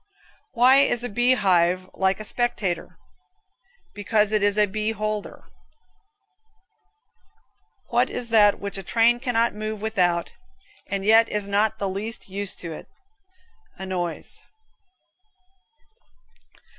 Why is a bee hive like a spectator? Because it is a beeholder (beholder). What is that which a train cannot move without, and yet is not the least use to it? A noise.